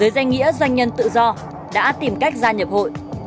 do đã tìm cách gia nhập hội